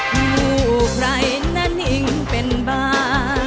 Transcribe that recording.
ผู้ใครนั้นนิ่งเป็นบ้า